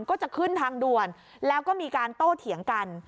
ก็จะขึ้นทางด่วนแล้วก็มีการโต้เถียงกัน